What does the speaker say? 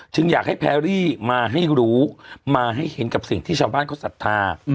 อยากให้แพรรี่มาให้รู้มาให้เห็นกับสิ่งที่ชาวบ้านเขาศรัทธา